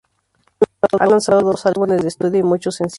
Han lanzado dos álbumes de estudio y muchos sencillos.